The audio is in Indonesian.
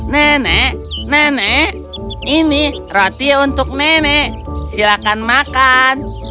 nenek nenek ini roti untuk nenek silakan makan